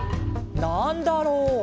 「なんだろう？」